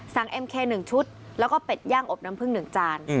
สั่งเอ็มเคหนึ่งชุดแล้วก็เป็ดย่างอบน้ำผึ้งหนึ่งจาน